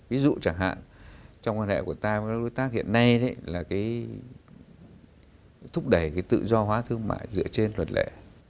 ví dụ chẳng hạn trong quan hệ của ta với các đối tác hiện nay là cái thúc đẩy cái tự do hóa thương mại dựa trên luật lệ